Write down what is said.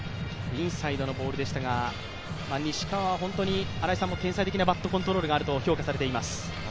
インサイドのボールでしたが西川は本当に天才的なバットコントロールがあると新井さん、評価しています。